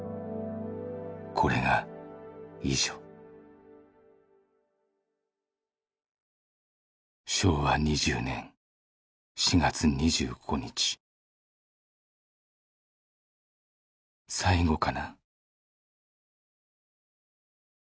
「これが遺書」「昭和２０年４月２５日」「最後かな」